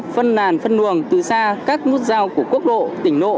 phân nàn phân nguồn từ xa các nút giao của quốc độ tỉnh nộ